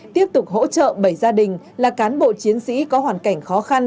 tiếp tục hỗ trợ bảy gia đình là cán bộ chiến sĩ có hoàn cảnh khó khăn